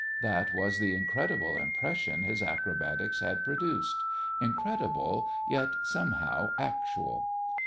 That was the incredible impression his acrobatics had produced incredible, yet somehow actual.